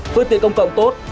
phương tiện công cộng tốt